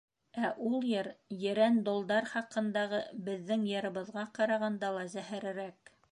Ә ул йыр ерән долдар хаҡындағы беҙҙең йырыбыҙға ҡарағанда ла зәһәрерәк.